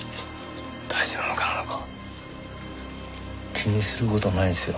気にする事はないですよ。